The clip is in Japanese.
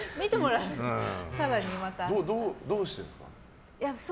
どうしてるんですか？